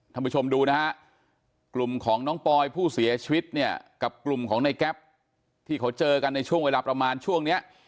ท่านผู้ชมดูนะฮะกลุ่มของน้องปอยผู้เสียชีวิตเนี่ยกับกลุ่มของในแก๊ปที่เขาเจอกันในช่วงเวลาประมาณช่วงเนี้ย